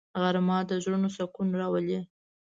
غرمه د زړونو سکون راولي